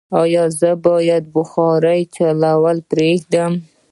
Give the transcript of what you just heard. ایا زه باید بخاری چالانه پریږدم؟